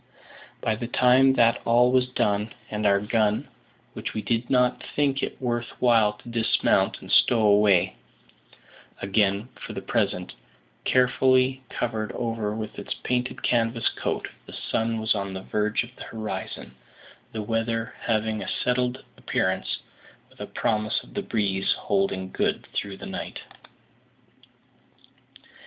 By the time that all was done, and our gun (which we did not think it worth while to dismount and stow away again for the present) carefully covered over with its painted canvas coat, the sun was on the verge of the horizon, the weather having a settled appearance, with a promise of the breeze holding good through the night.